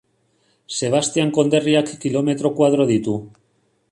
Sebastian konderriak kilometro koadro ditu.